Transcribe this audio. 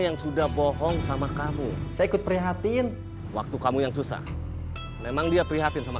yang sudah bohong sama kamu saya ikut prihatin waktu kamu yang susah memang dia prihatin sama